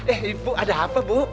eh ibu ada apa bu